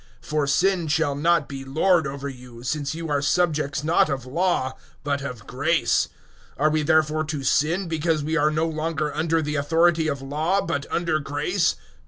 006:014 For Sin shall not be lord over you, since you are subjects not of Law, but of grace. 006:015 Are we therefore to sin because we are no longer under the authority of Law, but under grace?